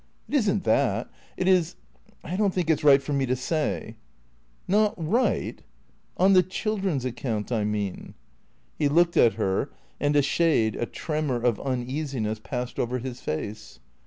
" It is n't that. It is — I don't think it 's right for me to stay." "^oi rigUV " On the children's account, I mean." He looked at her and a shade, a tremor, of uneasiness passed over his face.